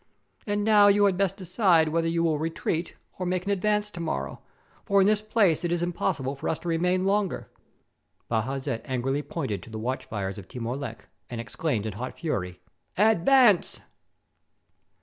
And now you had best decide whether you will retreat or make an advance to morrow, for in this place it is impossible for us to remain longer." Bajazet angrily pointed to the watch fires of Timur Lenk, and exclaimed, in hot fury, "Advance!"